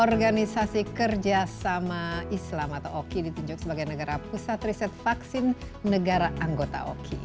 organisasi kerjasama islam atau oki ditunjuk sebagai negara pusat riset vaksin negara anggota oki